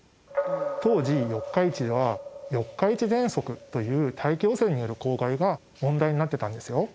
当時四日市では四日市ぜんそくという大気汚染による公害が問題になってたんですよ。